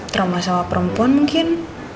trauma sama perempuan mungkin